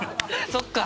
そっか！